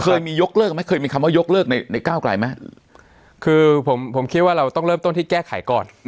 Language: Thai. เคยมียกเลิกไหมเคยมีคำว่ายกเลิกในในก้าวไกลไหมคือผมผมคิดว่าเราต้องเริ่มต้นที่แก้ไขก่อน